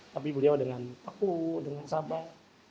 tapi ibu dia dengan takut dengan sabar